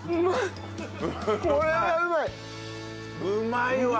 うまい。